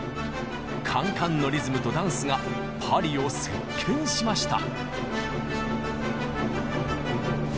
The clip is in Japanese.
カンカンのリズムとダンスがパリを席巻しました。